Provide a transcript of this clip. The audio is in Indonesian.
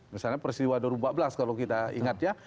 misalnya peristiwa dua ribu empat belas kalau kita ingat ya